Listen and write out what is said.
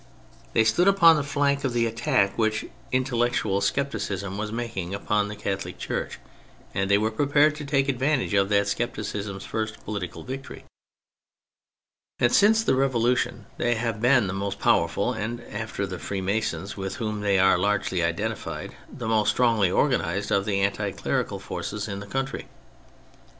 They stood upon the flank of the attack which intellectual scepticism was making upon the Catholic Church, they were prepared to take advantage of that scepticism's first political victory, and since the Revolution they have been the most powerful and, after the Freemasons, with whom they are largely identified, the most strongly organised, of the anti clerical forces in the country.